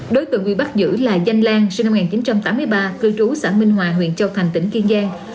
đối tượng bị bắt giữ là danh lan sinh năm một nghìn chín trăm tám mươi ba cư trú xã minh hòa huyện châu thành tỉnh kiên giang